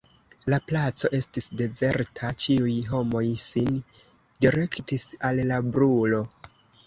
La placo estis dezerta: ĉiuj homoj sin direktis al la brulo.